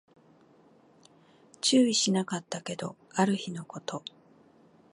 注意しなかったけど、ある日のこと